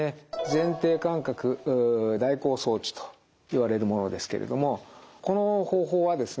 前庭感覚代行装置といわれるものですけれどもこの方法はですね